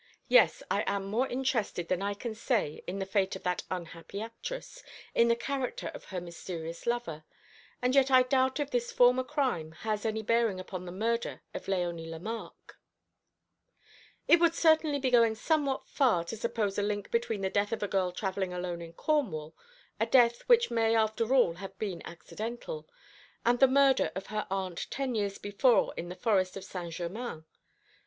Yes, I am more interested than I can say in the fate of that unhappy actress, in the character of her mysterious lover: and yet I doubt if this former crime has any bearing upon the murder of Léonie Lemarque." "It would certainly be going somewhat far to suppose a link between the death of a girl travelling alone in Cornwall a death which may after all have been accidental and the murder of her aunt ten years before in the forest of Saint Germain.